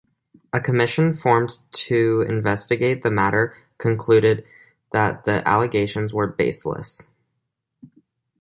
A commission formed to investigate the matter concluded that the allegations were baseless.